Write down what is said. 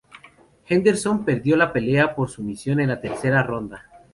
Henderson perdió la pelea por sumisión en la tercera ronda.